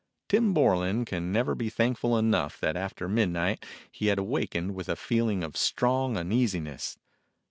Tim Borlan can never be thankful enough that after midnight he had awakened with a feeling of strong uneasiness.